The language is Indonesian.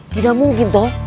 tidak mungkin toh